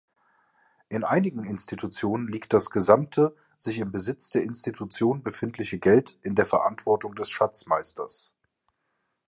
In einigen Institutionen liegt das gesamte, sich im Besitz der Institution befindliche Geld in der Verantwortung des Schatzmeisters..